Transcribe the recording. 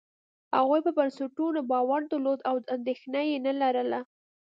هغوی پر بنسټونو باور درلود او اندېښنه یې نه لرله.